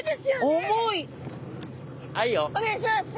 お願いします！